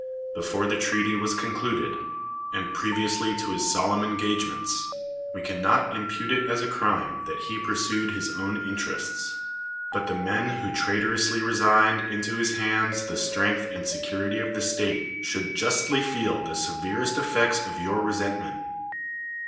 Be fore the treaty was concluded, and previously to his solemn engagements, we cannot impute it as a crime that he pursued his own interests; but the men who traitorously resigned into his hands the strength and security of the state should justly feel the severest effects of your resentment.